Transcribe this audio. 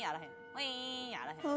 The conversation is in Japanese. ウイーンやあらへん。